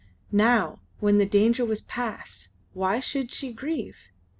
Now, when the danger was past, why should she grieve?